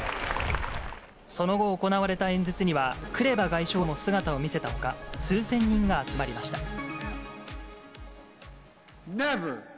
その後行われた演説には、クレバ外相らも姿を見せたほか、数千人が集まりました。